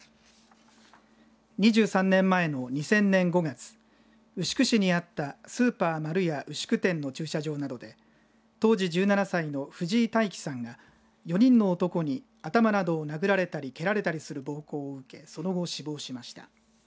２３年前の２０００年５月牛久市にあったスーパーマルヤ牛久店の駐車場などで当時１７歳の藤井大樹さんが４人の男に頭などを殴られたり蹴られたりする暴行を受けその後死亡しました。